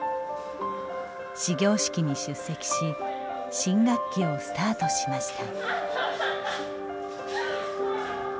始業式に出席し新学期をスター卜しました。